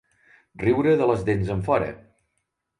Riure de les dents enfora.